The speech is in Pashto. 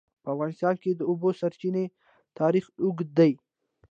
په افغانستان کې د د اوبو سرچینې تاریخ اوږد دی.